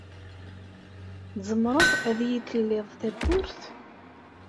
Tezemreḍ ad iyi-d telliḍ tappurt?